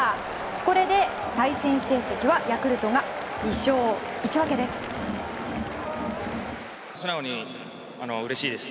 これで、対戦成績はヤクルトが２勝１分けです。